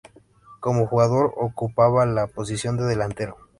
Como jugador, ocupaba la posición de delantero.